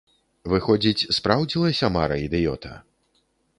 Выходзіць, спраўдзілася мара ідыёта?